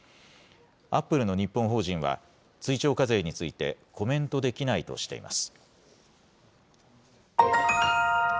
アップルの日本法人は、追徴課税について、コメントできないとしています。